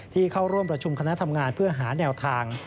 เข้าร่วมประชุมคณะทำงานเพื่อหาแนวทาง